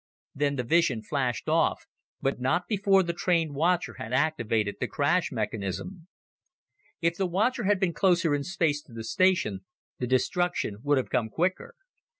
Then the vision flashed off, but not before the trained watcher had activated the crash mechanism. If the watcher had been closer in space to the station, the destruction would have come quicker.